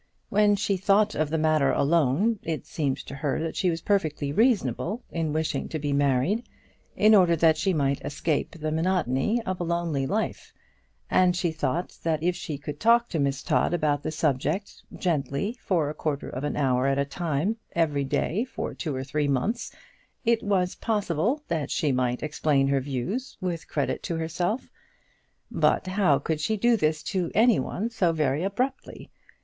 When she thought of the matter alone, it seemed to her that she was perfectly reasonable in wishing to be married, in order that she might escape the monotony of a lonely life; and she thought that if she could talk to Miss Todd about the subject gently, for a quarter of an hour at a time every day for two or three months, it was possible that she might explain her views with credit to herself; but how could she do this to anyone so very abruptly?